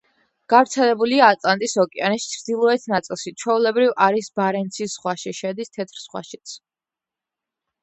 გავრცელებულია ატლანტის ოკეანის ჩრდილოეთ ნაწილში, ჩვეულებრივ არის ბარენცის ზღვაში, შედის თეთრ ზღვაშიც.